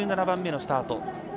１７番目のスタート。